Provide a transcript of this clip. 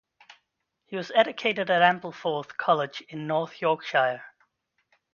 He was educated at Ampleforth College in North Yorkshire.